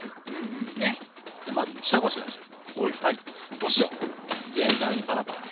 お塩全体にパラパラ。